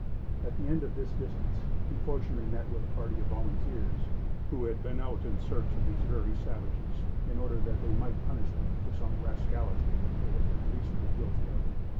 At the end of this distance he fortunately met with a party of volunteers, who had been out in search of these very savages, in order that they might punish them for some rascality they had been recently guilty of.